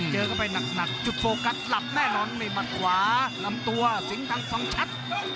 เจอก็ไปหนักจุดโฟกัสหลับแน่นอนมัดขวาลำตัวสิงตังค์ฟังชัด